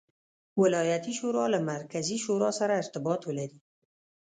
ولایتي شورا له مرکزي شورا سره ارتباط ولري.